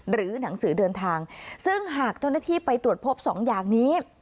หรือหนังสือเดินทางซึ่งหากเจ้าหน้าที่ไปตรวจพบสองอย่างนี้